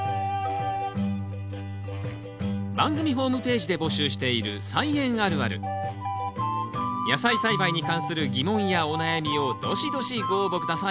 番組ホームページで募集している野菜栽培に関する疑問やお悩みをどしどしご応募下さい。